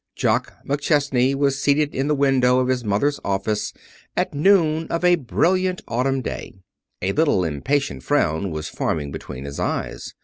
Jock McChesney was seated in the window of his mother's office at noon of a brilliant autumn day. A little impatient frown was forming between his eyes.